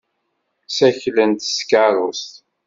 Ssaklen s tkeṛṛust.